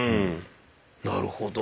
なるほど。